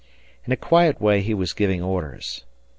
In a quiet way he was giving orders.